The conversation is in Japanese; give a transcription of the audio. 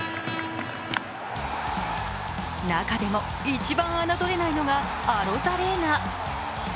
中でも一番あなどれないのがアロザレーナ。